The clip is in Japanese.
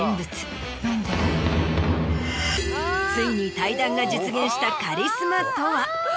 ついに対談が実現したカリスマとは。